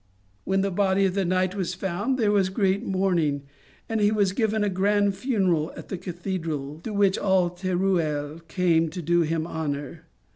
" When the body of the knight was found, there was great mourning, and he was given a grand funeral at the cathedral, to which all Teruel came to do him honour.